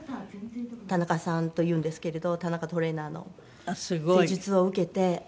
タナカさんというんですけれどタナカトレーナーの施術を受けて。